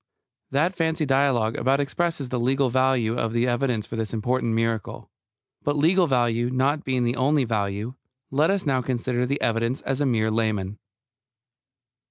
That fancy dialogue about expresses the legal value of the evidence for this important miracle. But, legal value not being the only value, let us now consider the evidence as mere laymen.